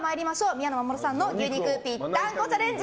宮野真守さんの牛肉ぴったんこチャレンジ